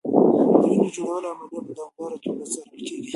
د وینې جوړولو عملیه په دوامداره توګه څارل کېږي.